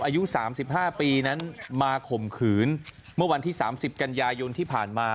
อายุสามสิบห้าปีนั้นมาข่มขืนเมื่อวันที่สามสิบกันยายนที่ผ่านมา